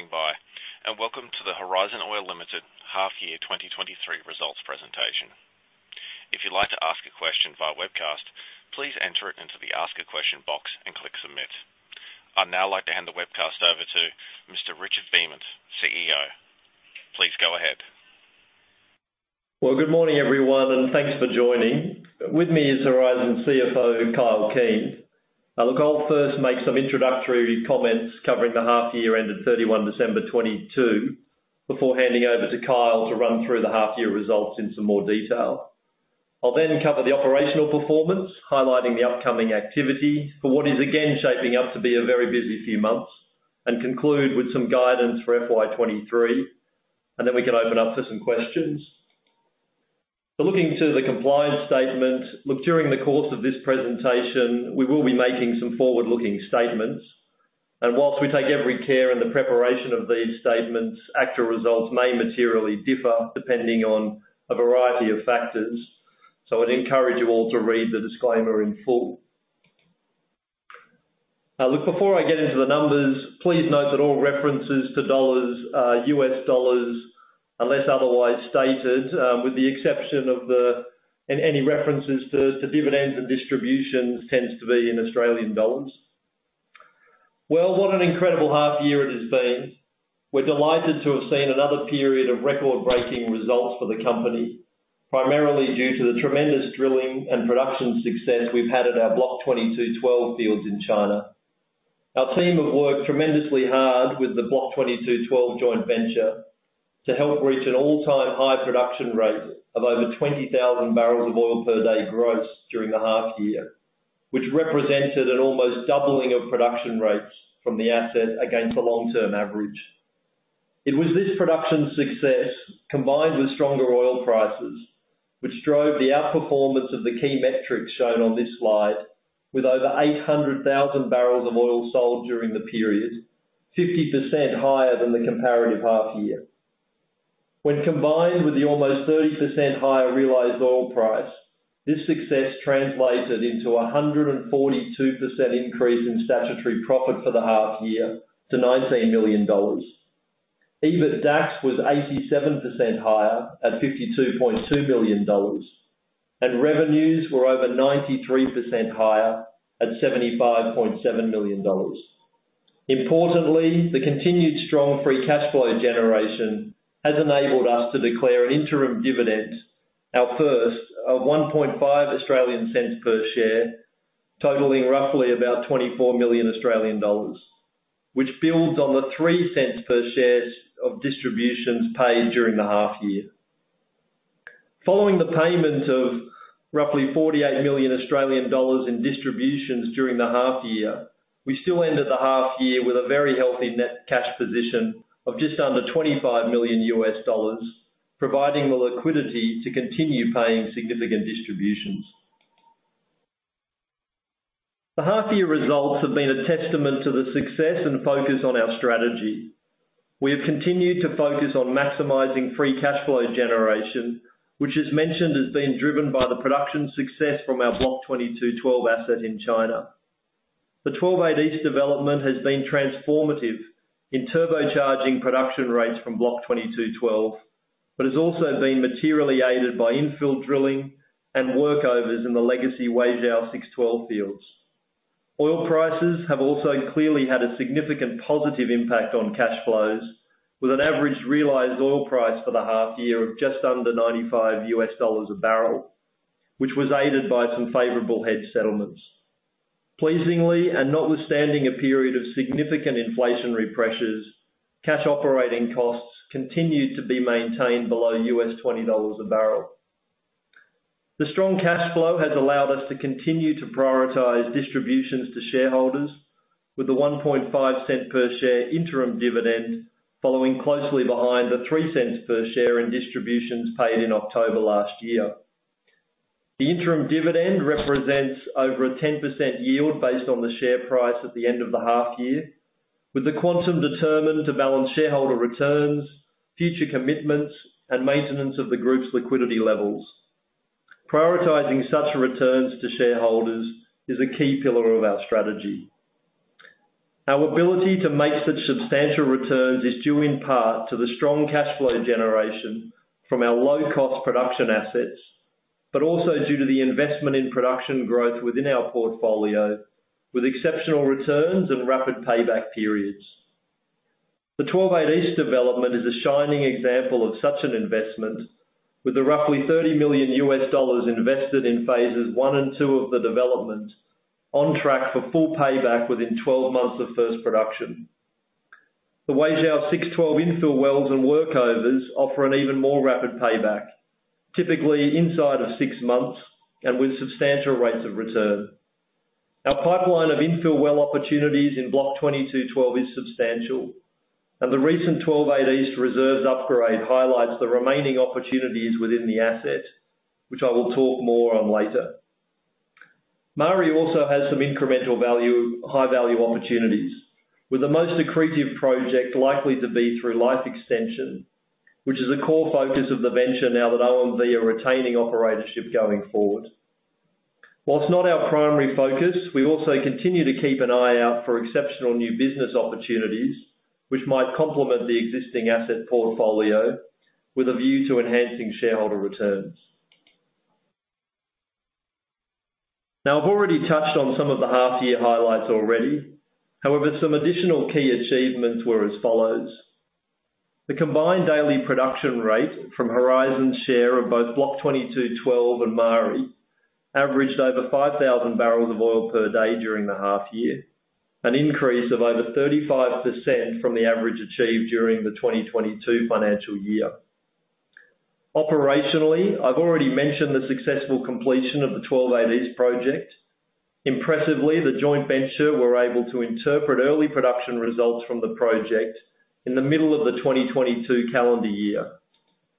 Thank you for standing by, and welcome to the Horizon Oil Limited Half Year 2023 Results presentation. If you'd like to ask a question via webcast, please enter it into the Ask a Question box and click Submit. I'd now like to hand the webcast over to Mr. Richard Beament, CEO. Please go ahead. Well, good morning everyone, and thanks for joining. With me is Horizon CFO, Kyle Keen. I'll first make some introductory comments covering the half year ended December 31 2022 before handing over to Kyle to run through the half year results in some more detail. I'll then cover the operational performance, highlighting the upcoming activity for what is, again, shaping up to be a very busy few months and conclude with some guidance for FY 23, then we can open up for some questions. Looking to the compliance statement. During the course of this presentation, we will be making some forward-looking statements. Whilst we take every care in the preparation of these statements, actual results may materially differ depending on a variety of factors. I'd encourage you all to read the disclaimer in full. Before I get into the numbers, please note that all references to dollars, US dollars, unless otherwise stated, with the exception of any references to dividends and distributions tends to be in Australian dollars. Well, what an incredible half year it has been. We're delighted to have seen another period of record-breaking results for the company, primarily due to the tremendous drilling and production success we've had at our Block 22/12 fields in China. Our team have worked tremendously hard with the Block 22/12 joint venture to help reach an all-time high production rate of over 20,000 barrels of oil per day gross during the half year, which represented an almost doubling of production rates from the asset against the long-term average. It was this production success, combined with stronger oil prices, which drove the outperformance of the key metrics shown on this slide with over 800,000 barrels of oil sold during the period, 50% higher than the comparative half year. When combined with the almost 30% higher realized oil price, this success translated into a 142% increase in statutory profit for the half year to $19 million. EBITDAX was 87% higher at $52.2 billion, and revenues were over 93% higher at $75.7 million. Importantly, the continued strong free cash flow generation has enabled us to declare an interim dividend, our first of 0.015 per share, totaling roughly about 24 million Australian dollars. Which builds on the 0.03 per share of distributions paid during the half year. Following the payment of roughly 48 million Australian dollars in distributions during the half year, we still ended the half year with a very healthy net cash position of just under $25 million, providing the liquidity to continue paying significant distributions. The half year results have been a testament to the success and focus on our strategy. We have continued to focus on maximizing free cash flow generation, which is mentioned as being driven by the production success from our Block 22/12 asset in China. The WZ12-8 East development has been transformative in turbocharging production rates from Block 22/12, but has also been materially aided by infill drilling and workovers in the legacy Weizhou 6-12 fields. Oil prices have also clearly had a significant positive impact on cash flows with an average realized oil price for the half year of just under $95. dollars a barrel, which was aided by some favorable hedge settlements. Pleasingly, notwithstanding a period of significant inflationary pressures, cash operating costs continued to be maintained below U.S. $20 a barrel. The strong cash flow has allowed us to continue to prioritize distributions to shareholders with the $0.015 per share interim dividend following closely behind the $0.03 per share in distributions paid in October last year. The interim dividend represents over a 10% yield based on the share price at the end of the half year, with the quantum determined to balance shareholder returns, future commitments, and maintenance of the group's liquidity levels. Prioritizing such returns to shareholders is a key pillar of our strategy. Our ability to make such substantial returns is due in part to the strong cash flow generation from our low cost production assets, but also due to the investment in production growth within our portfolio with exceptional returns and rapid payback periods. The 12-eight East development is a shining example of such an investment with the roughly $30 million invested in phases one and two of the development on track for full payback within 12 months of first production. The Weizhou six-12 infill wells and workovers offer an even more rapid payback, typically inside of six months and with substantial rates of return. Our pipeline of infill well opportunities in Block 22/12 is substantial, the recent 12-eight East reserves upgrade highlights the remaining opportunities within the asset, which I will talk more on later. Maari also has some incremental value, high-value opportunities, with the most accretive project likely to be through life extension, which is a core focus of the venture now that OMV are retaining operatorship going forward. While not our primary focus, we also continue to keep an eye out for exceptional new business opportunities which might complement the existing asset portfolio with a view to enhancing shareholder returns. Now, I've already touched on some of the half-year highlights already. However, some additional key achievements were as follows. The combined daily production rate from Horizon's share of both Block 22/12 and Maari averaged over 5,000 barrels of oil per day during the half-year, an increase of over 35% from the average achieved during the 2022 financial year. Operationally, I've already mentioned the successful completion of the 12-eight East project. Impressively, the joint venture were able to interpret early production results from the project in the middle of the 2022 calendar year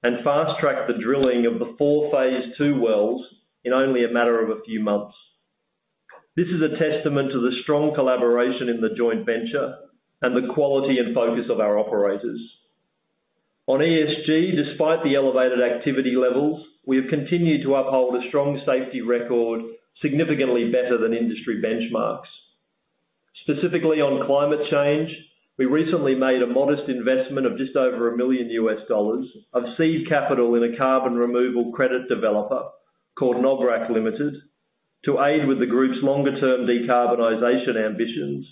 and fast-tracked the drilling of the four phase II wells in only a matter of a few months. This is a testament to the strong collaboration in the joint venture and the quality and focus of our operators. On ESG, despite the elevated activity levels, we have continued to uphold a strong safety record, significantly better than industry benchmarks. Specifically on climate change, we recently made a modest investment of just over $1 million of seed capital in a carbon removal credit developer called Nogarac Limited, to aid with the group's longer term decarbonization ambitions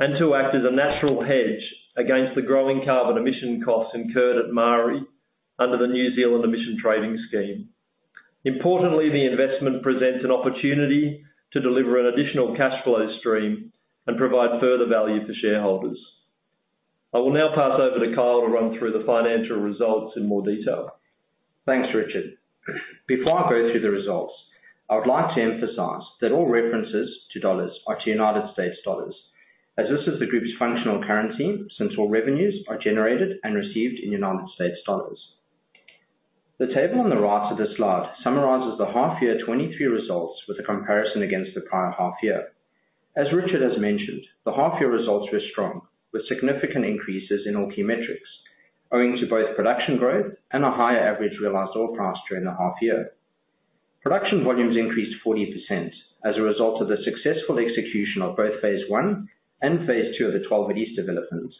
and to act as a natural hedge against the growing carbon emission costs incurred at Maari under the New Zealand Emissions Trading Scheme. Importantly, the investment presents an opportunity to deliver an additional cash flow stream and provide further value for shareholders. I will now pass over to Kyle to run through the financial results in more detail. Thanks, Richard. Before I go through the results, I would like to emphasize that all references to dollars are to United States dollars, as this is the group's functional currency, since all revenues are generated and received in United States dollars. The table on the right of this slide summarizes the half year 2023 results with a comparison against the prior half year. As Richard has mentioned, the half year results were strong, with significant increases in all key metrics owing to both production growth and a higher average realized oil price during the half year. Production volumes increased 40% as a result of the successful execution of both phase I and phase II of the 12-eight at East developments,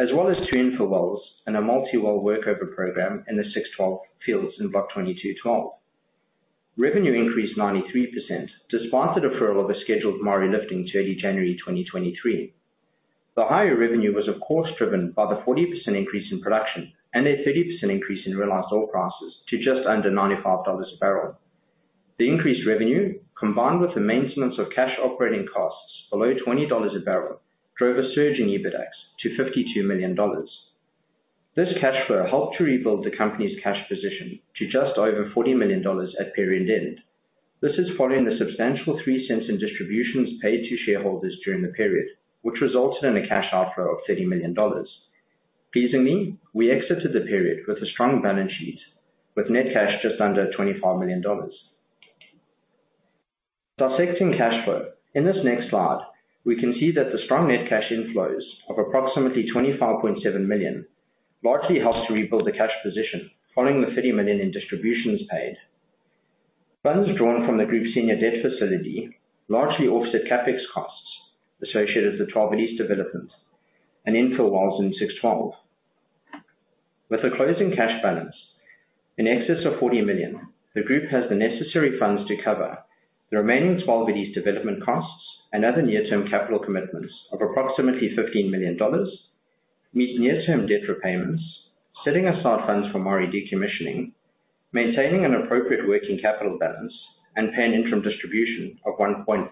as well as two infill wells and a multi-well workover program in the 612 fields in Block 22/12. Revenue increased 93% despite the deferral of the scheduled Maari lifting to early January 2023. The higher revenue was of course driven by the 40% increase in production and a 30% increase in realized oil prices to just under $95 a barrel. The increased revenue, combined with the maintenance of cash operating costs below $20 a barrel, drove a surge in EBITDAX to $52 million. This cash flow helped to rebuild the company's cash position to just over $40 million at period end. This is following the substantial $0.03 in distributions paid to shareholders during the period, which resulted in a cash outflow of $30 million. Pleasingly, we exited the period with a strong balance sheet with net cash just under $25 million. Dissecting cash flow. In this next slide, we can see that the strong net cash inflows of approximately $25.7 million largely helped to rebuild the cash position following the $30 million in distributions paid. Funds drawn from the group's senior debt facility largely offset CapEx costs associated with the 12-eight East developments and infill wells in 612. With a closing cash balance in excess of $40 million, the group has the necessary funds to cover the remaining 12-eight East development costs and other near-term capital commitments of approximately $15 million, meet near-term debt repayments, setting aside funds for Maari decommissioning, maintaining an appropriate working capital balance, and paying interim distribution of 0.015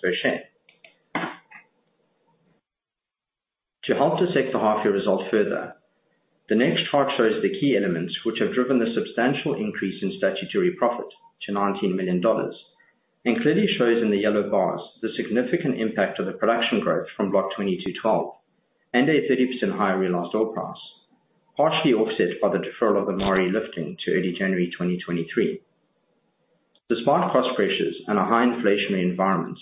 per share. To help dissect the half year results further, the next chart shows the key elements which have driven the substantial increase in statutory profit to $19 million, clearly shows in the yellow bars the significant impact of the production growth from Block 22/12 and a 30% higher realized oil price, partially offset by the deferral of the Maari lifting to early January 2023. Despite cost pressures and a high inflationary environment,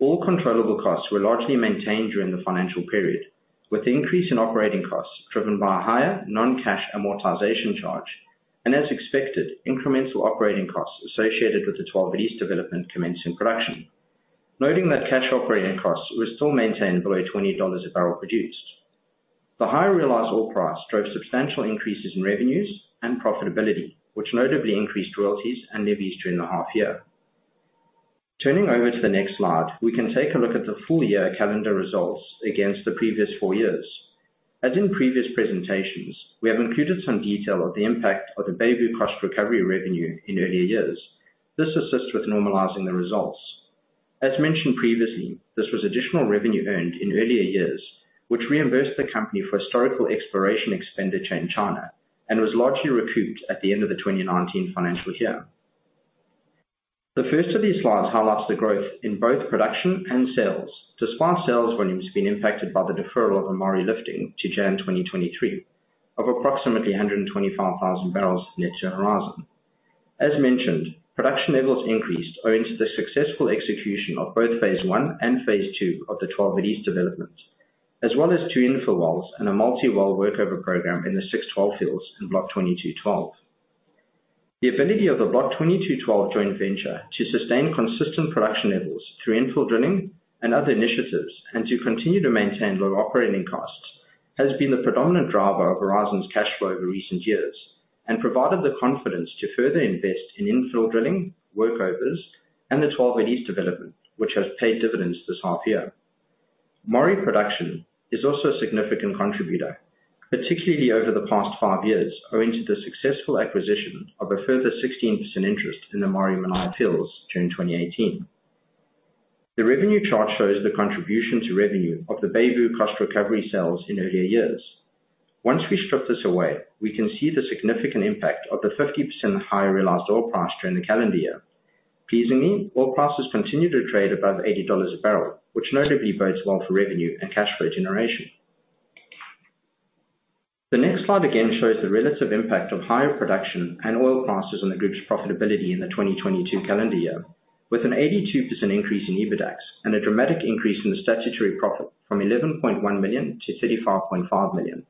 all controllable costs were largely maintained during the financial period, with the increase in operating costs driven by a higher non-cash amortization charge and, as expected, incremental operating costs associated with the WZ12-eight East development commenced in production. Noting that cash operating costs were still maintained below $20 a barrel produced. The higher realized oil price drove substantial increases in revenues and profitability, which notably increased royalties and levies during the half year. Turning over to the next slide, we can take a look at the full year calendar results against the previous four years. As in previous presentations, we have included some detail of the impact of the Beibu cost recovery revenue in earlier years. This assists with normalizing the results. As mentioned previously, this was additional revenue earned in earlier years, which reimbursed the company for historical exploration expenditure in China and was largely recouped at the end of the 2019 financial year. The first of these slides highlights the growth in both production and sales, despite sales volumes being impacted by the deferral of the Maari lifting to Jan 2023 of approximately 125,000 barrels net to Horizon. As mentioned, production levels increased owing to the successful execution of both phase I and phase II of the 12-eight East developments, as well as two infill wells and a multi-well workover program in the six-12 fields in Block 22/12. The ability of the Block 22/12 joint venture to sustain consistent production levels through infill drilling and other initiatives, and to continue to maintain low operating costs, has been the predominant driver of Horizon's cash flow in recent years, and provided the confidence to further invest in infill drilling, workovers, and the 12-eight East development, which has paid dividends this half year. Maari production is also a significant contributor, particularly over the past five years, owing to the successful acquisition of a further 16% interest in the Maari-Moki fields during 2018. The revenue chart shows the contribution to revenue of the Beibu cost recovery sales in earlier years. Once we strip this away, we can see the significant impact of the 50% higher realized oil price during the calendar year. Pleasingly, oil prices continue to trade above $80 a barrel, which notably bodes well for revenue and cash flow generation. The next slide again shows the relative impact of higher production and oil prices on the group's profitability in the 2022 calendar year, with an 82% increase in EBITDAX and a dramatic increase in the statutory profit from $11.1 million-$35.5 million.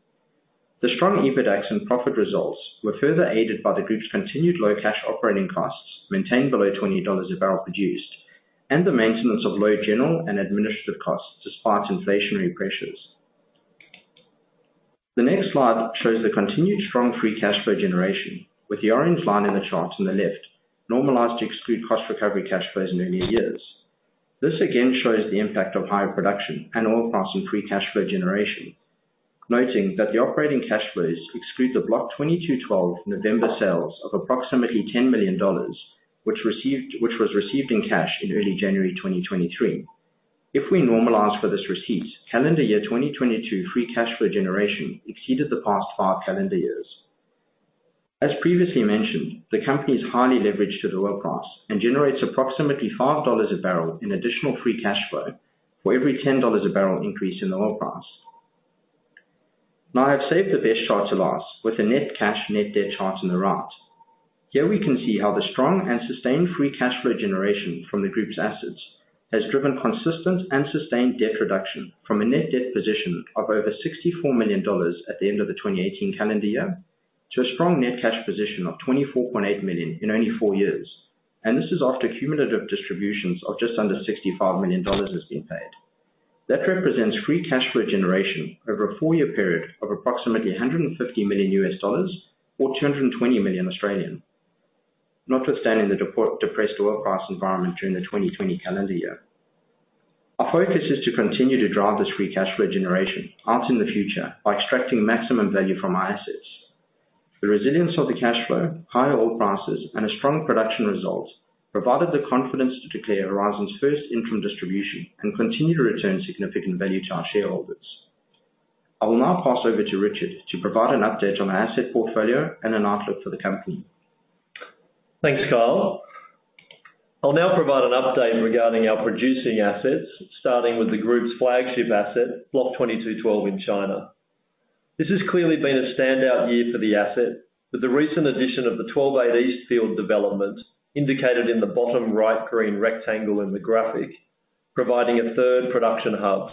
The strong EBITDAX and profit results were further aided by the group's continued low cash operating costs, maintained below $20 a barrel produced, and the maintenance of low general and administrative costs despite inflationary pressures. The next slide shows the continued strong free cash flow generation, with the orange line in the chart on the left normalized to exclude cost recovery cash flows in earlier years. This again shows the impact of higher production and oil price in free cash flow generation. Noting that the operating cash flows exclude the Block 22/12 November sales of approximately $10 million, which was received in cash in early January 2023. If we normalize for this receipt, calendar year 2022 free cash flow generation exceeded the past five calendar years. As previously mentioned, the company is highly leveraged to the oil price and generates approximately $5 a barrel in additional free cash flow for every $10 a barrel increase in the oil price. Now, I've saved the best chart to last with the net cash, net debt chart on the right. Here we can see how the strong and sustained free cash flow generation from the group's assets has driven consistent and sustained debt reduction from a net debt position of over $64 million at the end of the 2018 calendar year to a strong net cash position of $24.8 million in only four years. This is after cumulative distributions of just under $65 million has been paid. That represents free cash flow generation over a four-year period of approximately $150 million or 220 million. Notwithstanding the depressed oil price environment during the 2020 calendar year. Our focus is to continue to drive this free cash flow generation out in the future by extracting maximum value from our assets. The resilience of the cash flow, higher oil prices, and a strong production result provided the confidence to declare Horizon's first interim distribution and continue to return significant value to our shareholders. I will now pass over to Richard to provide an update on our asset portfolio and an outlook for the company. Thanks, Kyle. I'll now provide an update regarding our producing assets, starting with the group's flagship asset, Block 22/12 in China. This has clearly been a standout year for the asset, with the recent addition of the WZ12-eight East field development indicated in the bottom right green rectangle in the graphic, providing a third production hub.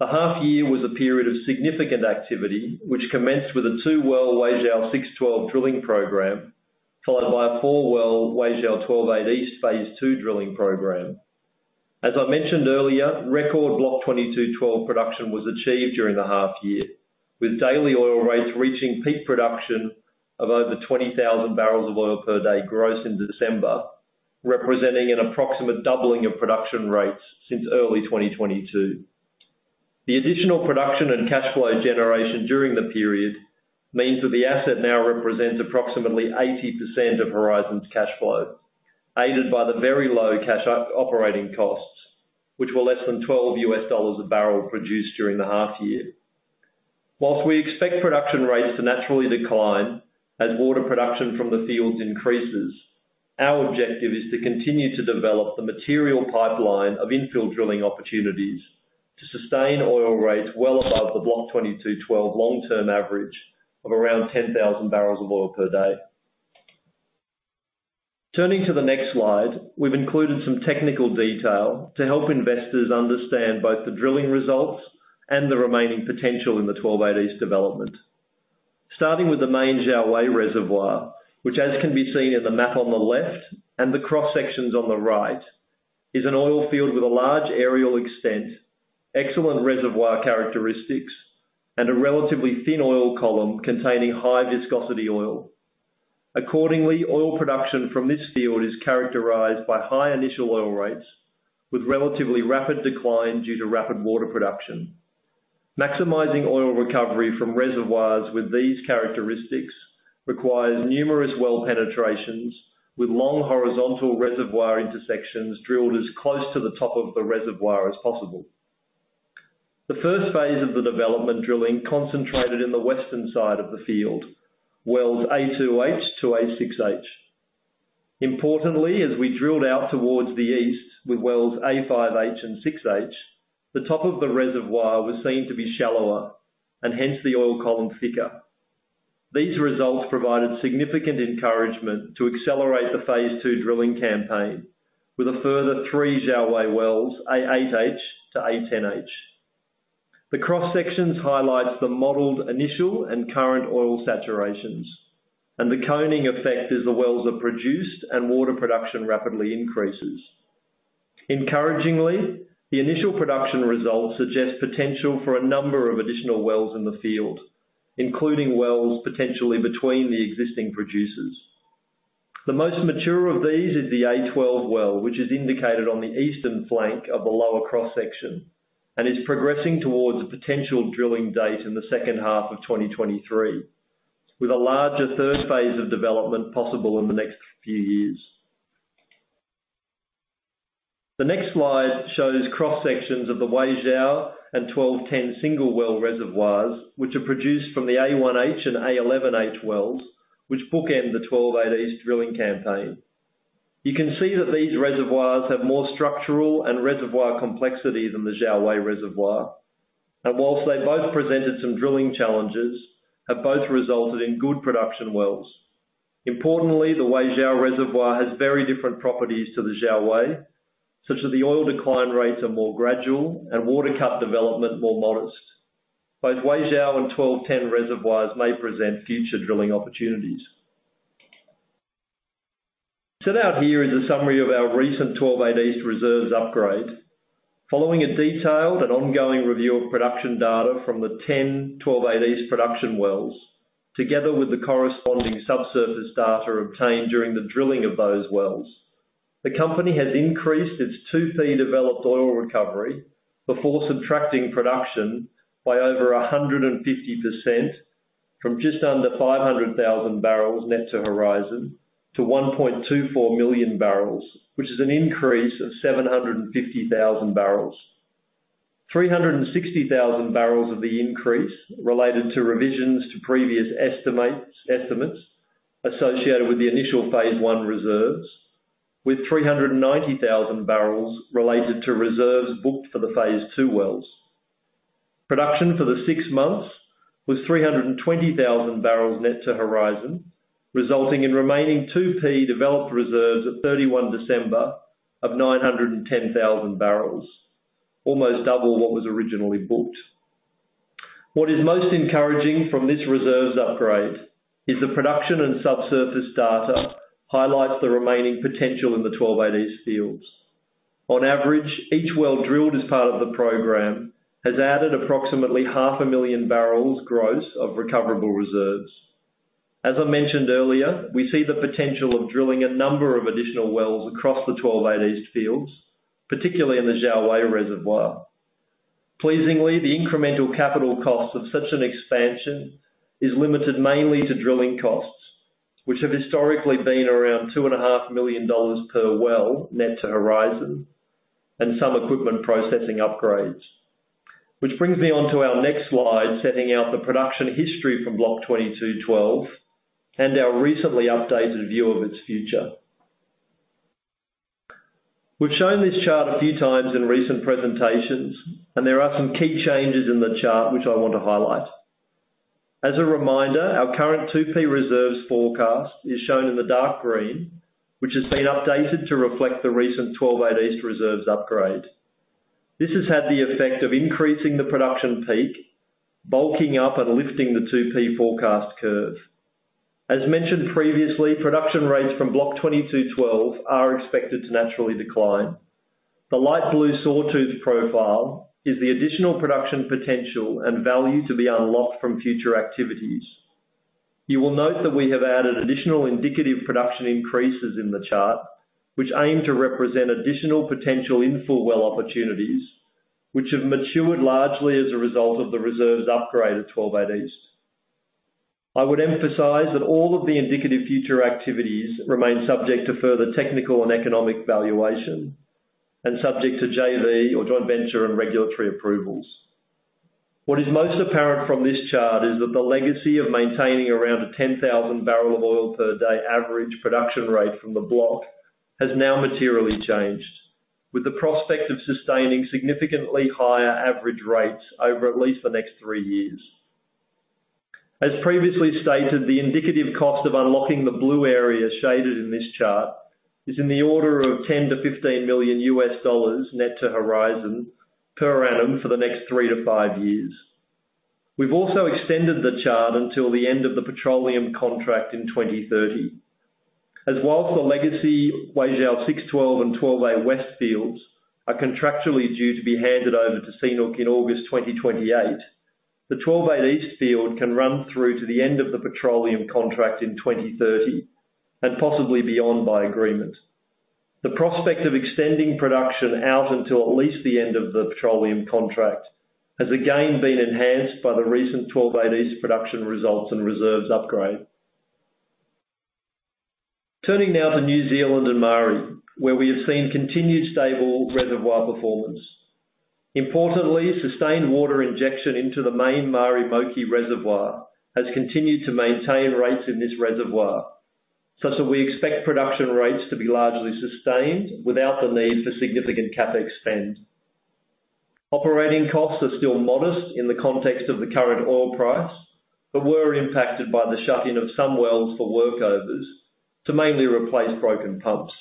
The half year was a period of significant activity, which commenced with a two-well Weizhou six-12 drilling program, followed by a four-well Weizhou 12-eight East Phase II drilling program. As I mentioned earlier, record Block 22/12 production was achieved during the half year, with daily oil rates reaching peak production of over 20,000 barrels of oil per day gross in December, representing an approximate doubling of production rates since early 2022. The additional production and cash flow generation during the period means that the asset now represents approximately 80% of Horizon's cash flow. Aided by the very low cash operating costs, which were less than $12 a barrel produced during the half year. We expect production rates to naturally decline as water production from the fields increases, our objective is to continue to develop the material pipeline of infill drilling opportunities to sustain oil rates well above the Block 22/12 long-term average of around 10,000 barrels of oil per day. Turning to the next slide, we've included some technical detail to help investors understand both the drilling results and the remaining potential in the WZ12-eight East development. Starting with the main Jiaowei Reservoir, which as can be seen in the map on the left and the cross-sections on the right, is an oil field with a large aerial extent, excellent reservoir characteristics, and a relatively thin oil column containing high viscosity oil. Accordingly, oil production from this field is characterized by high initial oil rates with relatively rapid decline due to rapid water production. Maximizing oil recovery from reservoirs with these characteristics requires numerous well penetrations with long horizontal reservoir intersections drilled as close to the top of the reservoir as possible. The first phase of the development drilling concentrated in the western side of the field, wells A2H-A6H. Importantly, as we drilled out towards the east with wells A5H and 6H, the top of the reservoir was seen to be shallower and hence the oil column thicker. These results provided significant encouragement to accelerate the phase II drilling campaign with a further three Xiaowei wells, A8H-A10H. The cross sections highlights the modeled initial and current oil saturations and the coning effect as the wells are produced and water production rapidly increases. Encouragingly, the initial production results suggest potential for a number of additional wells in the field, including wells potentially between the existing producers. The most mature of these is the A12 well, which is indicated on the eastern flank of the lower cross section and is progressing towards a potential drilling date in the second half of 2023, with a larger third phase of development possible in the next few years. The next slide shows cross sections of the Weizhou and 12-10 single well reservoirs, which are produced from the A1H and A11H wells, which bookend the WZ12-eight East drilling campaign. You can see that these reservoirs have more structural and reservoir complexity than the Jiaowei reservoir, and whilst they both presented some drilling challenges, have both resulted in good production wells. Importantly, the Weizhou reservoir has very different properties to the Jiaowei, such that the oil decline rates are more gradual and water cut development more modest. Both Weizhou and 12-10 reservoirs may present future drilling opportunities. Set out here is a summary of our recent WZ12-eight East reserves upgrade. Following a detailed and ongoing review of production data from the 10 WZ12-eight East production wells, together with the corresponding subsurface data obtained during the drilling of those wells. The company has increased its 2P developed oil recovery before subtracting production by over 150% from just under 500,000 barrels net to Horizon Oil to 1.24 million barrels, which is an increase of 750,000 barrels. 360,000 barrels of the increase related to revisions to previous estimates associated with the initial phase I reserves, with 390,000 barrels related to reserves booked for the phase II wells. Production for the six months was 320,000 barrels net to Horizon Oil, resulting in remaining 2P developed reserves at December 31 of 910,000 barrels, almost double what was originally booked. What is most encouraging from this reserves upgrade is the production and subsurface data highlights the remaining potential in the WZ12-eight East fields. On average, each well drilled as part of the program has added approximately 0.5 Million barrels gross of recoverable reserves. As I mentioned earlier, we see the potential of drilling a number of additional wells across the 12-eight East fields, particularly in the Jiaowei reservoir. Pleasingly, the incremental capital cost of such an expansion is limited mainly to drilling costs, which have historically been around two and a half million dollars per well net to Horizon and some equipment processing upgrades. Which brings me on to our next slide, setting out the production history from Block 22/12 and our recently updated view of its future. We've shown this chart a few times in recent presentations, and there are some key changes in the chart which I want to highlight. A reminder, our current 2P reserves forecast is shown in the dark green, which has been updated to reflect the recent 12-eight East reserves upgrade. This has had the effect of increasing the production peak, bulking up and lifting the 2P forecast curve. Mentioned previously, production rates from Block 22/12 are expected to naturally decline. The light blue sawtooth profile is the additional production potential and value to be unlocked from future activities. You will note that we have added additional indicative production increases in the chart, which aim to represent additional potential infill well opportunities, which have matured largely as a result of the reserves upgrade at 12-eight East. I would emphasize that all of the indicative future activities remain subject to further technical and economic valuation and subject to JV or joint venture and regulatory approvals. What is most apparent from this chart is that the legacy of maintaining around a 10,000 barrel of oil per day average production rate from the block has now materially changed, with the prospect of sustaining significantly higher average rates over at least the next three years. As previously stated, the indicative cost of unlocking the blue area shaded in this chart is in the order of $10 million-$15 million net to Horizon per annum for the next three to five years. We've also extended the chart until the end of the petroleum contract in 2030. Whilst the legacy Weizhou six-12 and 12-eight west fields are contractually due to be handed over to CNPC in August 2028, the 12-eight East field can run through to the end of the petroleum contract in 2030 and possibly beyond by agreement. The prospect of extending production out until at least the end of the petroleum contract has again been enhanced by the recent 12-eight East production results and reserves upgrade. Turning now to New Zealand and Maari, where we have seen continued stable reservoir performance. Importantly, sustained water injection into the main Maari Moki reservoir has continued to maintain rates in this reservoir, such that we expect production rates to be largely sustained without the need for significant CapEx spend. Operating costs are still modest in the context of the current oil price, but were impacted by the shut-in of some wells for workovers to mainly replace broken pumps.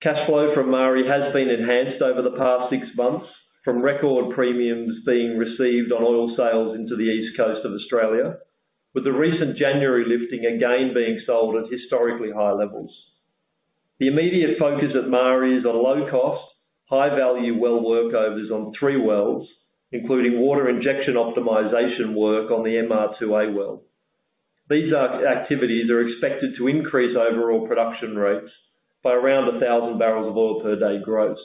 Cash flow from Maari has been enhanced over the past 6 months from record premiums being received on oil sales into the East Coast of Australia. With the recent January lifting again being sold at historically high levels. The immediate focus of Maari is on low cost, high value well workovers on three wells, including water injection optimization work on the MR2A well. These activities are expected to increase overall production rates by around 1,000 barrels of oil per day gross.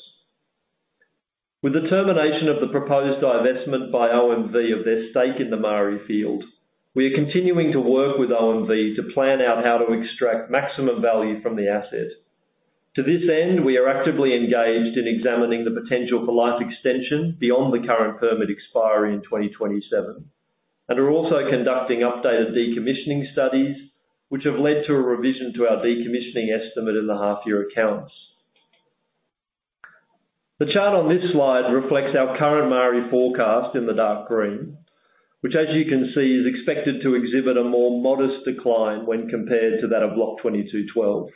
With the termination of the proposed divestment by OMV of their stake in the Maari field, we are continuing to work with OMV to plan out how to extract maximum value from the asset. To this end, we are actively engaged in examining the potential for life extension beyond the current permit expiry in 2027. Are also conducting updated decommissioning studies, which have led to a revision to our decommissioning estimate in the half year accounts. The chart on this slide reflects our current Maari forecast in the dark green, which as you can see, is expected to exhibit a more modest decline when compared to that of Block 22/12.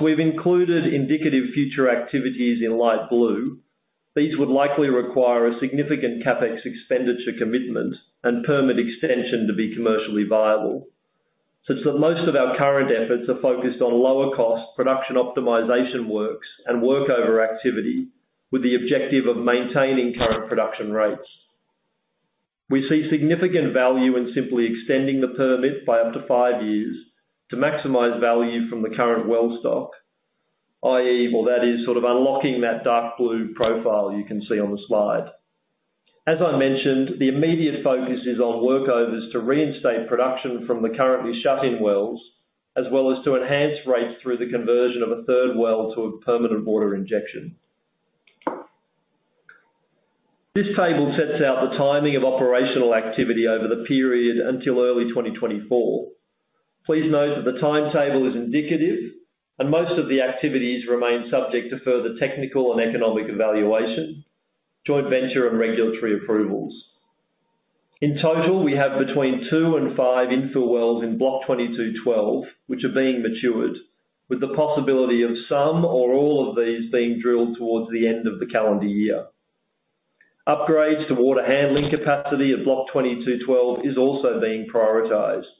We've included indicative future activities in light blue, these would likely require a significant CapEx expenditure commitment and permit extension to be commercially viable. Most of our current efforts are focused on lower cost production optimization works and workover activity with the objective of maintaining current production rates. We see significant value in simply extending the permit by up to five years to maximize value from the current well stock, i.e., well, that is sort of unlocking that dark blue profile you can see on the slide. As I mentioned, the immediate focus is on workovers to reinstate production from the currently shut-in wells, as well as to enhance rates through the conversion of a third well to a permanent water injection. This table sets out the timing of operational activity over the period until early 2024. Please note that the timetable is indicative and most of the activities remain subject to further technical and economic evaluation, joint venture, and regulatory approvals. In total, we have between two and five infill wells in Block 22/12, which are being matured with the possibility of some or all of these being drilled towards the end of the calendar year. Upgrades to water handling capacity at Block 22/12 is also being prioritized,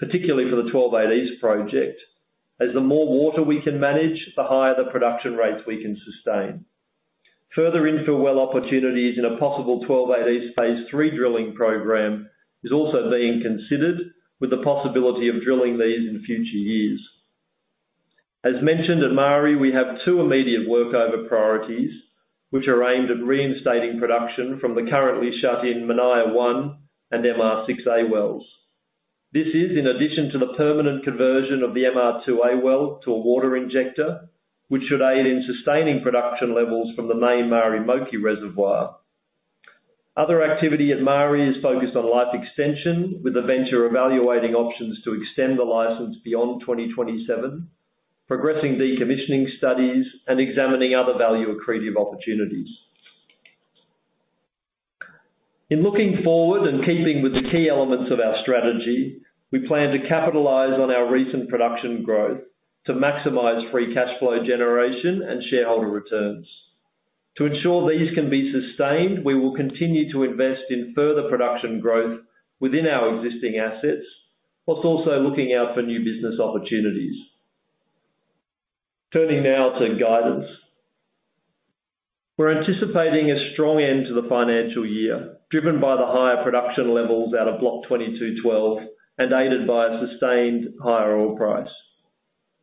particularly for the 12-eight East project. As the more water we can manage, the higher the production rates we can sustain. Further infill well opportunities in a possible 12-eight East phase III drilling program is also being considered with the possibility of drilling these in future years. As mentioned at Maari, we have two immediate workover priorities, which are aimed at reinstating production from the currently shut-in Manaia-1 and MR6A wells. This is in addition to the permanent conversion of the MR2A well to a water injector, which should aid in sustaining production levels from the main Maari Moki reservoir. Other activity at Maari is focused on life extension, with the venture evaluating options to extend the license beyond 2027, progressing decommissioning studies and examining other value accretive opportunities. Looking forward and keeping with the key elements of our strategy, we plan to capitalize on our recent production growth to maximize free cash flow generation and shareholder returns. To ensure these can be sustained, we will continue to invest in further production growth within our existing assets, whilst also looking out for new business opportunities. Turning now to guidance. We're anticipating a strong end to the financial year, driven by the higher production levels out of Block 22/12, aided by a sustained higher oil price.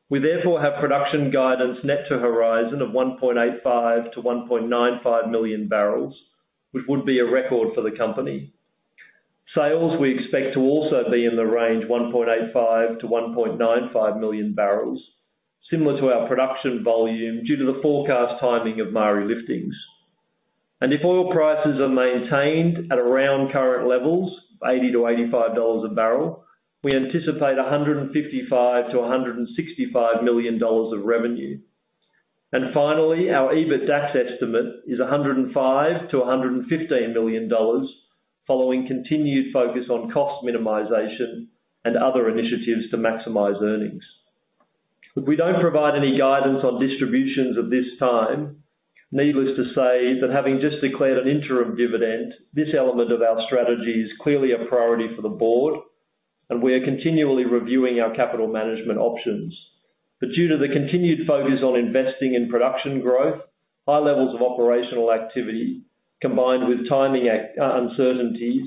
We therefore have production guidance net to Horizon of 1.85 million-1.95 million barrels, which would be a record for the company. Sales, we expect to also be in the range 1.85 million-1.95 million barrels, similar to our production volume due to the forecast timing of Maari liftings. If oil prices are maintained at around current levels, $80-$85 a barrel, we anticipate $155 million-$165 million of revenue. Finally, our EBITDAX estimate is $105 million-$115 million following continued focus on cost minimization and other initiatives to maximize earnings. We don't provide any guidance on distributions at this time. Needless to say that having just declared an interim dividend, this element of our strategy is clearly a priority for the board, and we are continually reviewing our capital management options. Due to the continued focus on investing in production growth, high levels of operational activity, combined with timing uncertainties,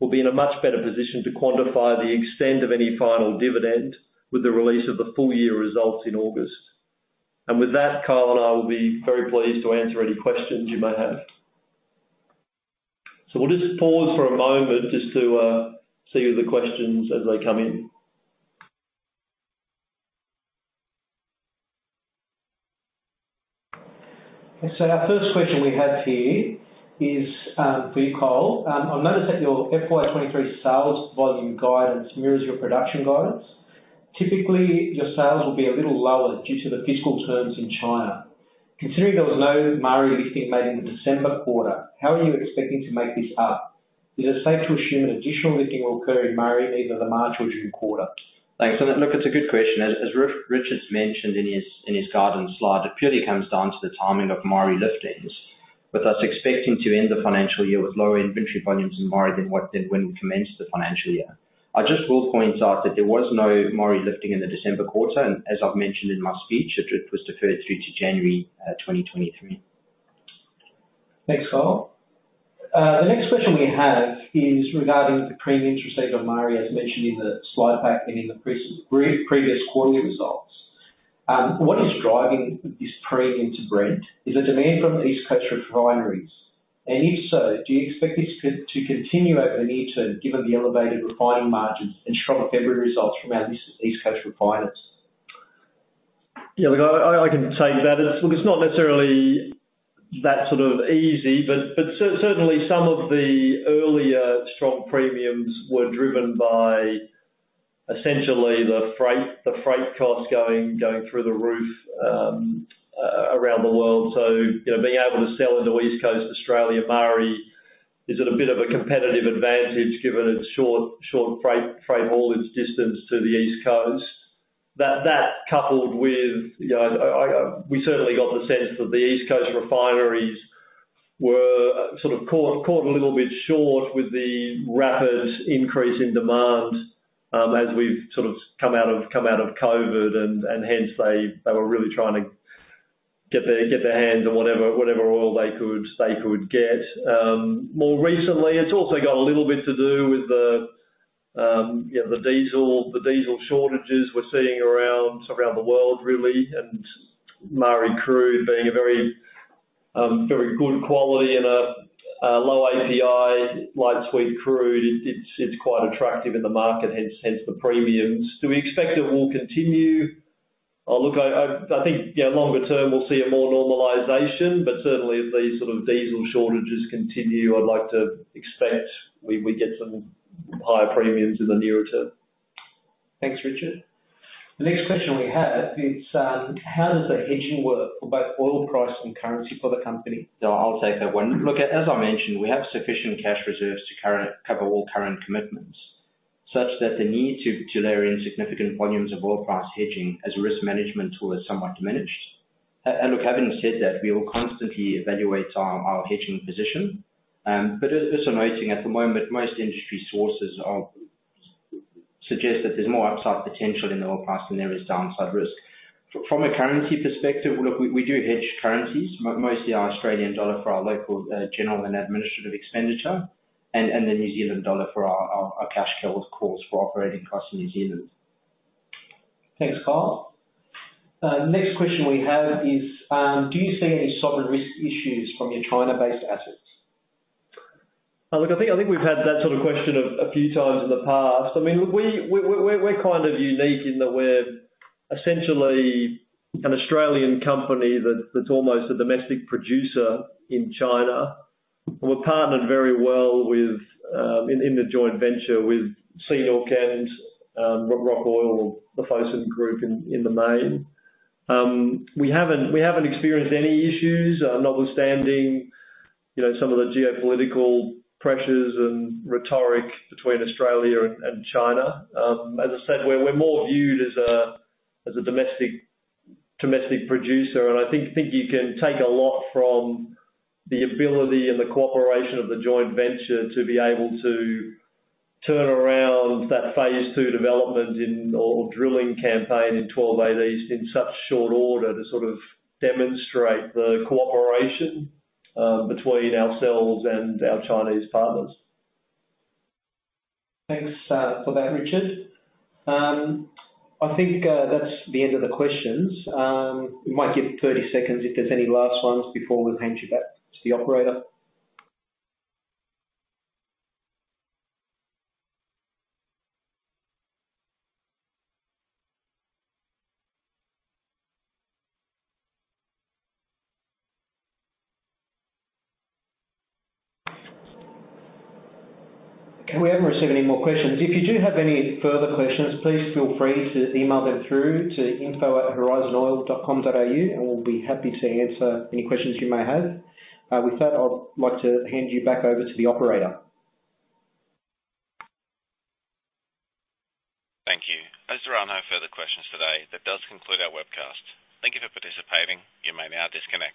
we'll be in a much better position to quantify the extent of any final dividend with the release of the full year results in August. With that, Kyle and I will be very pleased to answer any questions you may have. We'll just pause for a moment just to see the questions as they come in. Our first question we have here is for you, Kyle. I notice that your FY 23 sales volume guidance mirrors your production guidance. Typically, your sales will be a little lower due to the fiscal terms in China. Considering there was no Maari lifting made in the December quarter, how are you expecting to make this up? Is it safe to assume that additional lifting will occur in Maari either the March or June quarter? Thanks. Look, it's a good question. As Richard's mentioned in his guidance slide, it purely comes down to the timing of Maari liftings. With us expecting to end the financial year with lower inventory volumes in Maari than what than when we commenced the financial year. I just will point out that there was no Maari lifting in the December quarter, and as I've mentioned in my speech, it was deferred through to January 2023. Thanks, Kyle. The next question we have is regarding the premiums received on Maari, as mentioned in the slide pack and in the previous quarterly results. What is driving this premium to Brent? Is the demand from the East Coast refineries? If so, do you expect this to continue over the near term, given the elevated refining margins and strong February results from our East Coast refineries? Yeah. I can take that. It's not necessarily that sort of easy, but certainly some of the earlier strong premiums were driven by essentially the freight costs going through the roof around the world. You know, being able to sell into East Coast Australia Maari is at a bit of a competitive advantage given its short freight haulage distance to the East Coast. That coupled with, you know, we certainly got the sense that the East Coast refineries were sort of caught a little bit short with the rapid increase in demand as we've sort of come out of COVID hence they were really trying to get their hands on whatever oil they could get. More recently, it's also got a little bit to do with the, you know, the diesel shortages we're seeing around, sort of around the world really, and Maari crude being a very good quality and a low API light sweet crude. It's quite attractive in the market, hence the premiums. Do we expect it will continue? I think, you know, longer term we'll see a more normalization, but certainly if these sort of diesel shortages continue, I'd like to expect we get some higher premiums in the nearer term. Thanks, Richard. The next question we have is, how does the hedging work for both oil price and currency for the company? I'll take that one. Look, as I mentioned, we have sufficient cash reserves to cover all current commitments, such that the need to layer in significant volumes of oil price hedging as a risk management tool is somewhat diminished. Look, having said that, we will constantly evaluate our hedging position. It's amazing, at the moment, most industry sources suggest that there's more upside potential in the oil price than there is downside risk. From a currency perspective, look, we do hedge currencies, mostly our Australian dollar for our local general and administrative expenditure and the New Zealand dollar for our cash calls for operating costs in New Zealand. Thanks, Kyle. Next question we have is, do you see any sovereign risk issues from your China-based assets? Look, I think, I think we've had that sort of question a few times in the past. I mean, we're kind of unique in that we're essentially an Australian company that's almost a domestic producer in China. We're partnered very well with in the joint venture with CNOOC and Roc Oil or the Fosun Group in the main. We haven't experienced any issues, notwithstanding, you know, some of the geopolitical pressures and rhetoric between Australia and China. As I said, we're more viewed as a domestic producer. I think you can take a lot from the ability and the cooperation of the joint venture to be able to turn around that phase II development in or drilling campaign in 12A East in such short order to sort of demonstrate the cooperation between ourselves and our Chinese partners. Thanks for that, Richard. I think that's the end of the questions. We might give 30 seconds if there's any last ones before we hand you back to the operator. Okay, we haven't received any more questions. If you do have any further questions, please feel free to email them through to info@horizonoil.com.au, and we'll be happy to answer any questions you may have. With that, I'd like to hand you back over to the operator. Thank you. As there are no further questions today, that does conclude our webcast. Thank you for participating. You may now disconnect.